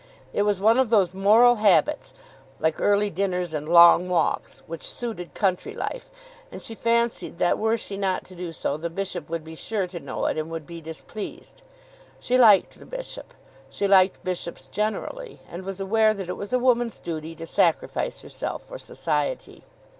It was one of those moral habits, like early dinners and long walks, which suited country life. And she fancied that were she not to do so, the bishop would be sure to know it and would be displeased. She liked the bishop. She liked bishops generally; and was aware that it was a woman's duty to sacrifice herself for society.